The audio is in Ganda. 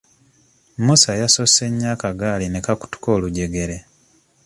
Musa yasosse nnyo akagaali ne kakutuka olujjegere.